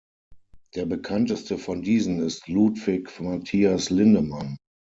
Der bekannteste von diesen ist Ludvig Mathias Lindeman.